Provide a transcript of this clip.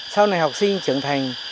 sau này học sinh trưởng thành